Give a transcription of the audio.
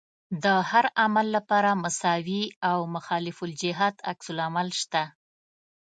د هر عمل لپاره مساوي او مخالف الجهت عکس العمل شته.